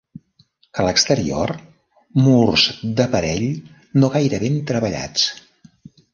A l'exterior, murs d'aparell no gaire ben treballats.